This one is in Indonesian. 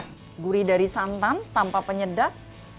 jadi dari santan tanpa penyedap